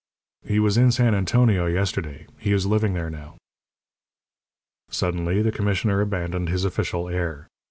"He was in San Antonio yesterday. He is living there now." Suddenly the commissioner abandoned his official air.